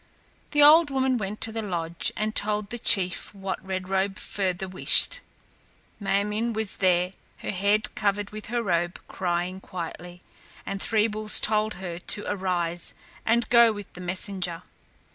The old woman went to the lodge and told the chief what Red Robe further wished. Ma min´ was there, her head covered with her robe, crying quietly, and Three Bulls told her to arise and go with the messenger.